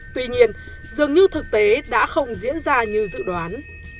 tuy nhiên dường như thực tế đã không diễn ra như dự đoán